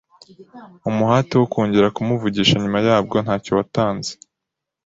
Umuhate wo kongera kumuvugisha nyuma yabwo ntacyo watanze,